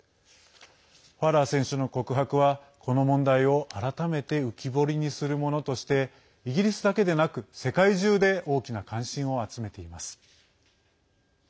ファラー選手の告白はこの問題を、改めて浮き彫りにするものとしてイギリスだけでなく世界中で大きな関心を集めています。